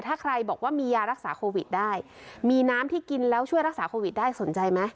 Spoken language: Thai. ถ้าใครบอกว่ามียารักษาโควิดได้มีน้ำที่กินแล้วช่วยรักษาโควิดได้สนใจไหม